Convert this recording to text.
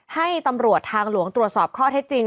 ให้ตำรวจทางหลวงตรวจสอบข้อเท็จจริง